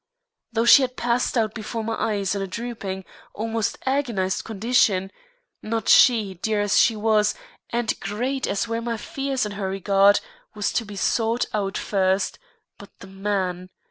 Though she had passed out before my eyes in a drooping, almost agonised condition, not she, dear as she was, and great as were my fears in her regard, was to be sought out first, but the man!